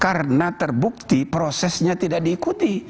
karena terbukti prosesnya tidak diikuti